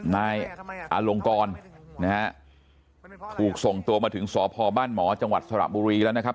นายอลงกรนะฮะถูกส่งตัวมาถึงสพบ้านหมอจังหวัดสระบุรีแล้วนะครับ